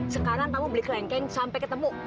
sekarang kamu beli kelengkeng sampai ketemu